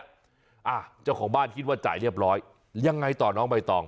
อ่ะเจ้าของบ้านคิดว่าจ่ายเรียบร้อยยังไงต่อน้องใบตอง